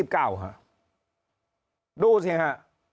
๑๒๙ค่ะดูสิค่ะ